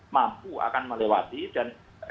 mampu akan melewati dan